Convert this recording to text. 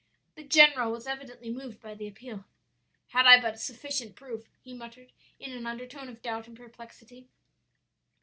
"The general was evidently moved by the appeal. 'Had I but sufficient proof,' he muttered in an undertone of doubt and perplexity.